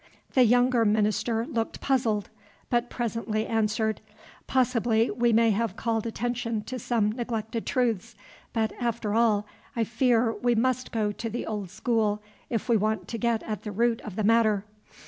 The younger minister looked puzzled, but presently answered, "Possibly we may have called attention to some neglected truths; but, after all, I fear we must go to the old school, if we want to get at the root of the matter.